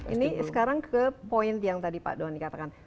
ini sekarang ke poin yang tadi pak doni katakan